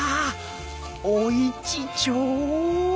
おいちちょう！